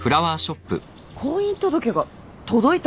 婚姻届が届いた？